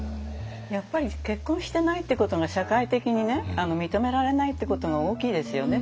やっぱり結婚してないってことが社会的に認められないってことが大きいですよね。